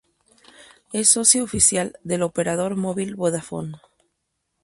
Es socio oficial del operador móvil Vodafone.